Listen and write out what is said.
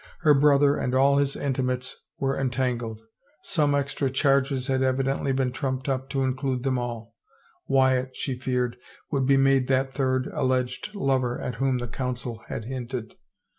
Her brother and all his intimates were entangled; some extra charges had evidently been trumped up to include therti all. Wyatt, she feared, would be made that third alleged lover at whom the council had hinted.